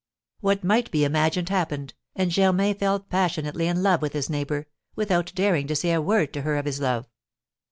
What might be imagined happened, and Germain fell passionately in love with his neighbour, without daring to say a word to her of his love.